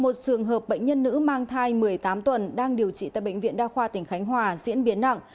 một trường hợp bệnh nhân nữ mang thai một mươi tám tuần đang điều trị tại bệnh viện đa khoa tỉnh khánh hòa diễn biến nặng